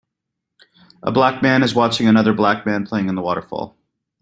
A black man is watching another black man playing in the waterfall.